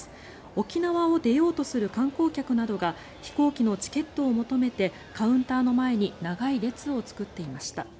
沖縄を出ようとする観光客などが飛行機のチケットを求めてカウンターの前に長い列を作っていました。